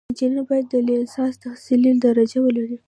انجینر باید د لیسانس تحصیلي درجه ولري.